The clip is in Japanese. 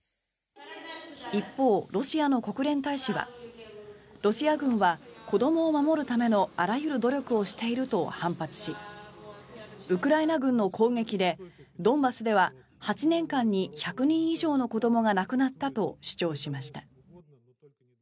一方、ロシアの国連大使はロシア軍は子どもを守るためのあらゆる努力をしていると反発しウクライナ軍の攻撃でドンバスでは８年間に１００人以上の子どもが亡くなったと主張しました。